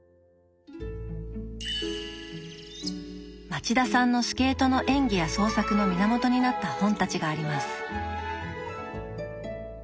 町田さんのスケートの演技や創作の源になった本たちがあります。